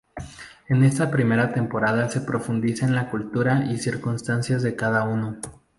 En esta primera temporada se profundiza en la cultura y circunstancias de cada uno.